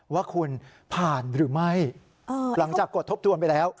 ว่าคุณผ่านหรือไม่หลังจากกดทบทวนไปแล้ว